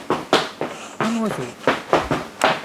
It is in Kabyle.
Anwa-t wa?